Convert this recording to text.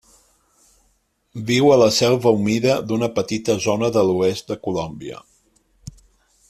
Viu a la selva humida d'una petita zona de l'oest de Colòmbia.